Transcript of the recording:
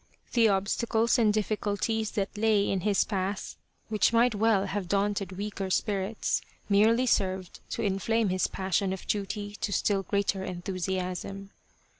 The obstacles and difficulties that lay in his path, which might well have daunted weaker spirits, merely served to inflame his passion of duty to still greater en thusiasm.